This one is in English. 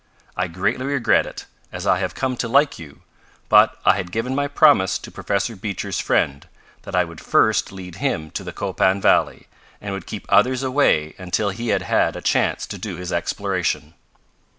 I greatly regret it, as I have come to like you, but I had given my promise to Professor Beecher's friend, that I would first lead him to the Copan valley, and would keep others away until he had had a chance to do his exploration.